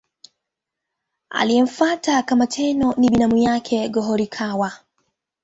Aliyemfuata kama Tenno ni binamu yake Go-Horikawa.